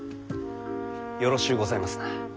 よろしゅうございますな。